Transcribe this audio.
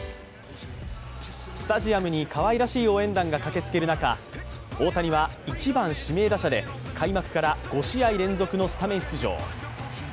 スタジアムにかわいらしい応援団が駆けつける中、大谷は１番・指名打者で開幕から５試合連続のスタメン出場。